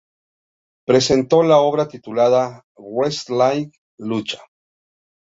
Presentó la obra titulada "Wrestling-Lucha".